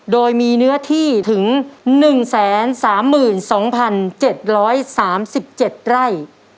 โดยมีเนื้อที่ถึง๑๓๒๗๓๗ไร่